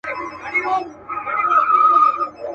سایله اوس دي پر دښتونو عزرائیل وګوره.